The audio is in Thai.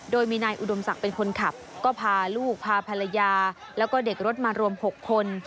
โดยมีนายอุดมศักดิ์เป็นคนขับก็พาลูกพาภรรยาแล้วก็เด็กรถมารวม๖คน